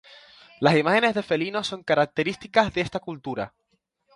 Las imágenes de felinos son características de esta cultura.